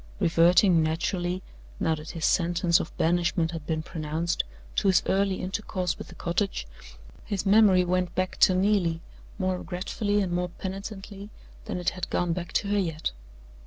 Reverting naturally, now that his sentence of banishment had been pronounced, to his early intercourse with the cottage, his memory went back to Neelie, more regretfully and more penitently than it had gone back to her yet.